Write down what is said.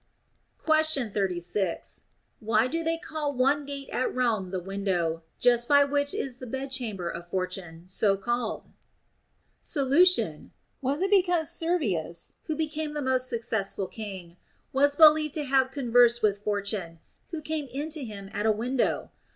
Question 36. Why do they call one gate at Rome the Window, just by which is the bed chamber of Fortune, so called 1 THE ROMAN QUESTIONS. 225 Solution. Was it because Servius, who became the most successful king, was believed to have conversed with Fortune, who came in to him at a window